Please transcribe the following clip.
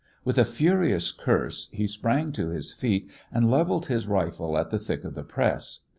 With a furious curse, he sprang to his feet and levelled his rifle at the thick of the press.